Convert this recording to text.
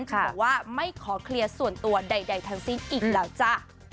บอกว่าไม่ขอเคลียร์ส่วนตัวใดทั้งสิ้นอีกแล้วจ้ะ